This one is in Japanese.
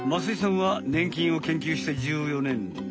増井さんはねん菌を研究して１４年。